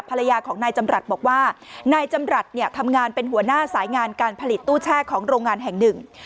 ภรรยาของนายจำรัฐบอกว่านายจำรัฐเนี่ยทำงานเป็นหัวหน้าสายงานการผลิตตู้แช่ของโรงงานแห่งหนึ่ง